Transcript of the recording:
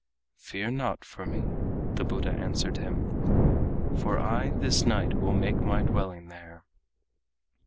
"Fear not for me," the Buddha answered him, "For I this night will make my dwelling there."